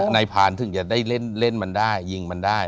นายพานถึงจะได้เล่นมันได้ยิงมันได้